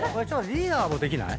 リーダーもできない？